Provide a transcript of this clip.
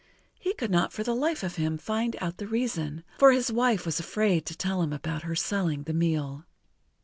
He could not for the life of him find out the reason, for his wife was afraid to tell him about her selling the meal.